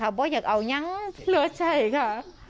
เพราะอยากเอาอย่างเลือดใจค่ะ